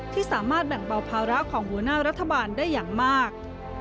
ที่สามารถแบ่งเบาภาระของหัวหน้ารัฐบาลได้อย่างมาก